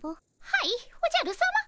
はいおじゃるさま。